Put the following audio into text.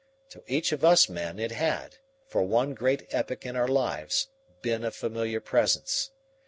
To each of us men it had, for one great epoch in our lives, been a familiar presence.